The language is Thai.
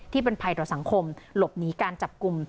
เป็นภัยต่อสังคมหลบหนีการจับกลุ่ม